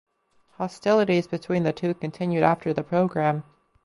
Hostilities between the two continued after the program.